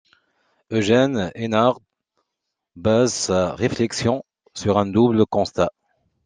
Eugène Hénard base sa réflexion sur un double constat.